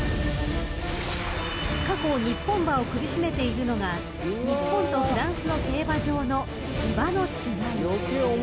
［過去日本馬を苦しめているのが日本とフランスの競馬場の芝の違い］